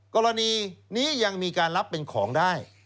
กรณีนี้ยังมีการรับเป็นของได้